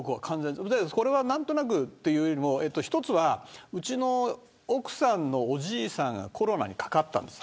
何となくというより、１つはうちの奥さんのおじいさんがコロナにかかったんです。